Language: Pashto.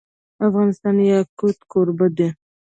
افغانستان د یاقوت کوربه دی.